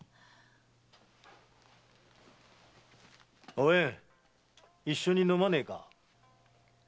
おえん一緒に飲まねえか？